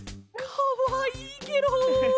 かわいいケロ！